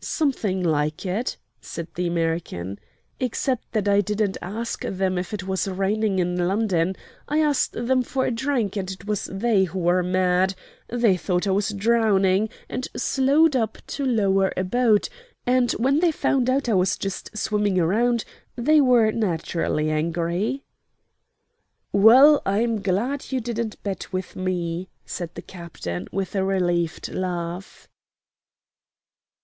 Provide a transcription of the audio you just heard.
"Something like it," said the American, "except that I didn't ask them if it was raining in London. I asked them for a drink, and it was they who were mad. They thought I was drowning, and slowed up to lower a boat, and when they found out I was just swimming around they were naturally angry. "Well, I'm glad you didn't bet with me," said the captain, with a relieved laugh.